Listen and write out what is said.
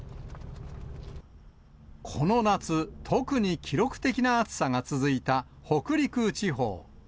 この夏、特に記録的な暑さが続いた北陸地方。